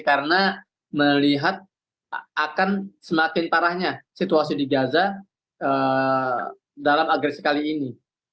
karena melihat akan semakin parahnya situasi di gaza dalam agresi kali ini